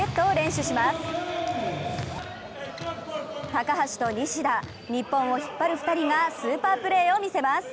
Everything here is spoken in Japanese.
高橋と西田、日本を引っ張る２人がスーパープレーを見せます。